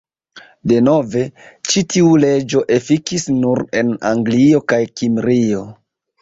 Denove, ĉi tiu leĝo efikis nur en Anglio kaj Kimrio.